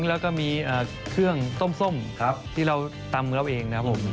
แล้วก็มีเครื่องส้มที่เราตำเองนะครับผม